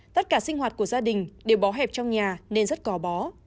tất cả sinh hoạt của gia đình đều bó hẹp trong nhà nên rất cò bó